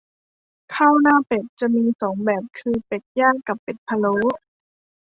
ข้าวหน้าเป็ด จะมีสองแบบคือเป็ดย่าง กับเป็ดพะโล้